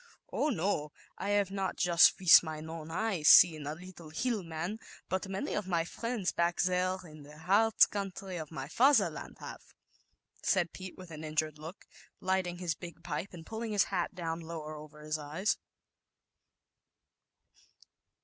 "Oh, no, I have not just with mein own eyes seen a little <Hill Man,' but many of my friends, back there in the Hartz country of my Fatherland haveJl said Pete, with an injured look, ligl o his big pipe and pulling his hat down lower over his eyes.